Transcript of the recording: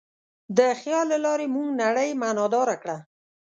د خیال له لارې موږ نړۍ معنیداره کړه.